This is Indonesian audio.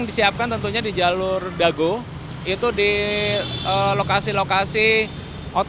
ada tiga tempat yang menjadi konsentrasi masyarakat